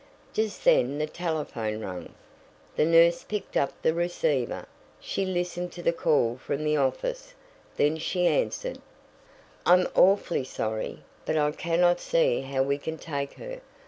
Just then the telephone rang. The nurse picked up the receiver. She listened to the call from the office. Then she answered: "I'm awfully sorry, but I cannot see how we can take her.